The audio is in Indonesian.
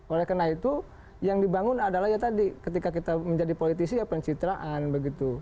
oleh karena itu yang dibangun adalah ya tadi ketika kita menjadi politisi ya pencitraan begitu